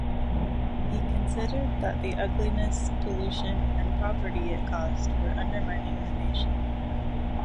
He considered that the ugliness, pollution and poverty it caused were undermining the nation.